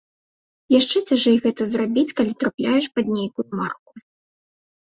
Яшчэ цяжэй гэта зрабіць, калі трапляеш пад нейкую марку.